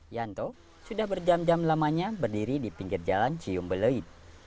yanto sudah berjam jam lamanya berdiri di pinggir jalan cium beluit